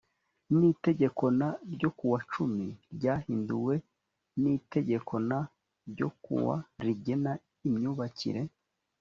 n itegeko n ryo ku wa cumi ryahinduwe n itegeko n ryo ku wa rigena imyubakire